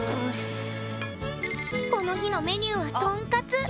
この日のメニューはトンカツ。